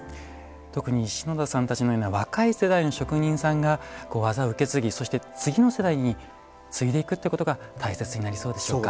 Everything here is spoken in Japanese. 特に篠田さんたちのような若い世代の職人さんが技を受け継ぎそして次の世代に継いでいくっていうことが大切になりそうでしょうか？